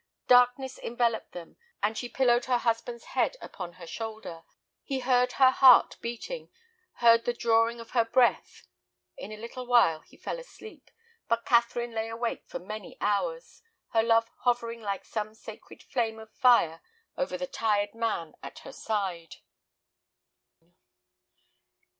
Darkness enveloped them, and she pillowed her husband's head upon her shoulder. He heard her heart beating, heard the drawing of her breath. In a little while he fell asleep, but Catherine lay awake for many hours, her love hovering like some sacred flame of fire over the tired man at her side.